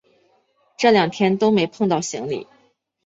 这两天都没碰到行李